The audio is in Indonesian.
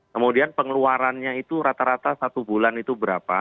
kemudian pengeluarannya itu rata rata satu bulan itu berapa